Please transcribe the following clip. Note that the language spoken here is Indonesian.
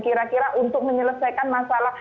kira kira untuk menyelesaikan masalah